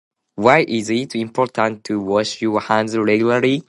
Why is it importart to wash your hands regularly?